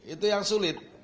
itu yang sulit